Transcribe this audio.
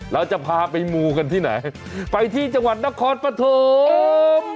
เราจะพาไปมูกันที่ไหนไปที่จังหวัดนครปฐม